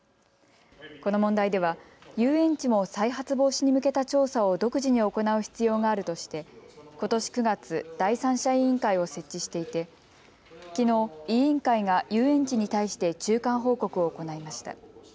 この問題では遊園地も再発防止に向けた調査を独自に行う必要があるとしてことし９月、第三者委員会を設置していてきのう委員会が遊園地に対して中間報告を行いました。